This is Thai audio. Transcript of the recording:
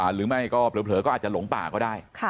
หรือไม่ก็เผลอก็อาจจะหลงป่าก็ได้